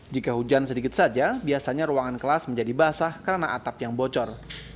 jika hujan sedikit saja biasanya ruangan kelas menjadi basah karena atap yang bocor